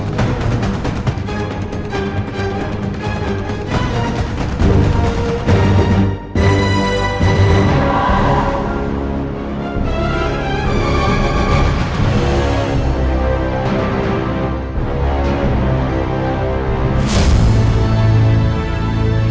sudah cepet jalan